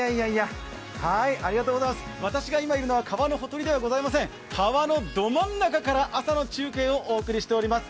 私が今いるのは、川の畔ではありません川のど真ん中から朝の中継をお伝えしています。